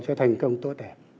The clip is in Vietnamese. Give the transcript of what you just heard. cho thành công tốt đẹp